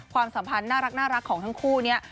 ความสัมพันธ์น่ารักของทั้งคู่นี้